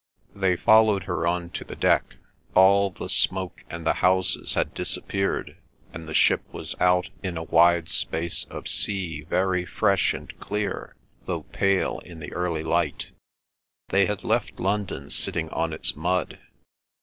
They followed her on to the deck. All the smoke and the houses had disappeared, and the ship was out in a wide space of sea very fresh and clear though pale in the early light. They had left London sitting on its mud.